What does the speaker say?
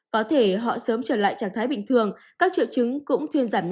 có thể họ sớm trở lại trạng thái bình thường các triệu chứng cũng thuyên giảm nhẹ